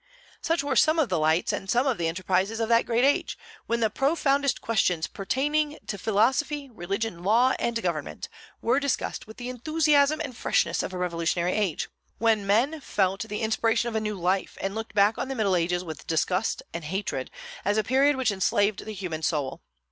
Such were some of the lights and some of the enterprises of that great age, when the profoundest questions pertaining to philosophy, religion, law, and government were discussed with the enthusiasm and freshness of a revolutionary age; when men felt the inspiration of a new life, and looked back on the Middle Ages with disgust and hatred, as a period which enslaved the human soul.